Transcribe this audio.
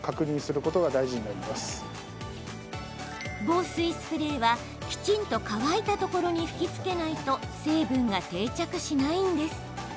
防水スプレーは、きちんと乾いたところに吹きつけないと成分が定着しないんです。